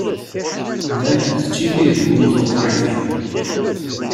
Llant d timidiwin tuqribin.